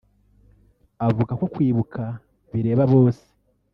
avuga ko kwibuka bireba bose